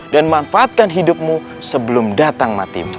dan manfaatkan hidupmu sebelum datang matimu